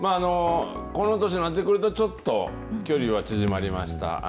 この年になってくると、ちょっと距離は縮まりました。